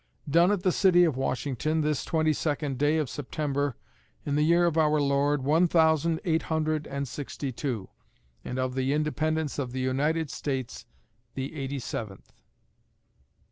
Done at the city of Washington, this twenty second day of September, in the year of our Lord, one thousand eight hundred and sixty two, and of the Independence of the United States the eighty seventh.